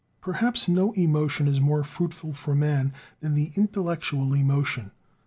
Perhaps no emotion is more fruitful for man than the intellectual emotion.